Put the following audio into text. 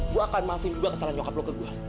gue akan maafin gue kesalahan nyokap lu ke gue